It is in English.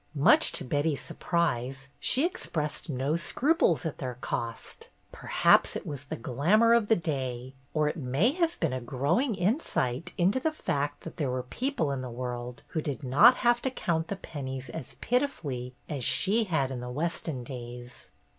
Much to Betty's surprise, she expressed no scruples at their cost. Perhaps it was the glam our of the day ; or it may have been a growing insight into the fact that there were people in the world who did not have to count the pen nies as pitifully as she had in the Weston days.